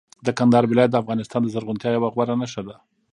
د کندهار ولایت د افغانستان د زرغونتیا یوه غوره نښه ده.